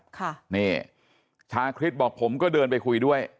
ค่ะนี่ชาคริสบอกผมก็เดินไปคุยด้วย